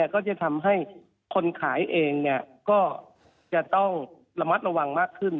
ก็จะทำให้คนขายเองก็จะต้องระมัดระวังมากขึ้น